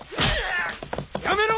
やめろ！